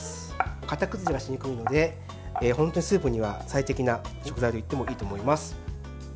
型崩れがしにくいので本当にスープには最適な食材といってもいいと思います。